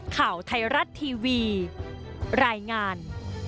ข่าวไทยรัฐทีวีรายงาน